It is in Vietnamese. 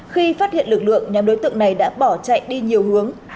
khi phát hiện lực lượng nhóm đối tượng này đã bỏ chạy đi nhiều hướng